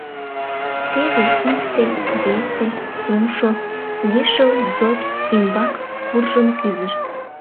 Теве икте, весе, кумшо лишыл ДЗОТ ӱмбак куржын кӱзышт.